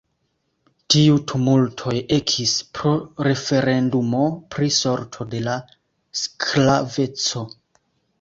Tiu tumultoj ekis pro referendumo pri sorto de la sklaveco.